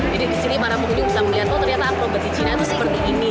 jadi disini para penghuni usah melihat oh ternyata akrobat di china itu seperti ini